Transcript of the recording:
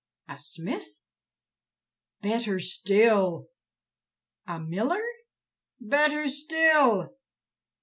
"A smith?" "Better still!" "A miller?" "Better still!"